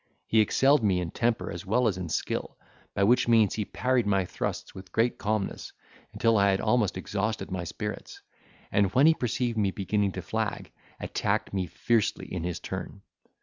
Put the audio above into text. He excelled me in temper as well as in skill, by which means he parried my thrusts with great calmness, until I had almost exhausted my spirits; and, when he perceived me beginning to flag, attacked me fiercely in his turn.